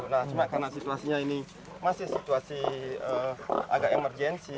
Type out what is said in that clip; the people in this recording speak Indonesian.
nah cuma karena situasinya ini masih situasi agak emergensi